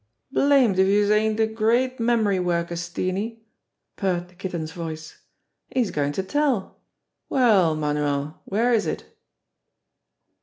"Blamed if youse ain't a great memory worker, Steenie!" purred the Kitten's voice. "He's goin' to tell. Well, Manuel, where is it